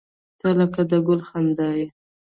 • ته لکه د ګل خندا یې.